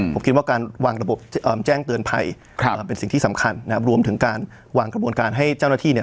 ผมคิดว่าการวางระบบแจ้งเตือนภัยเป็นสิ่งที่สำคัญนะครับรวมถึงการวางกระบวนการให้เจ้าหน้าที่เนี่ย